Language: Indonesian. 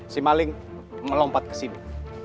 si maling melompat kesini